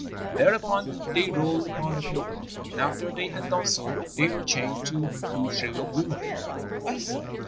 "Thereupon they rolled upon the paper, and after they had done so they were changed to two shrivelled women."